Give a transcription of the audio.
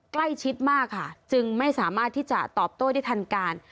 ใกล้ชิดมากค่ะจึงไม่สามารถที่จะตอบโต้ได้ทันการ